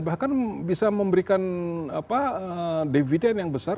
bahkan bisa memberikan dividen yang besar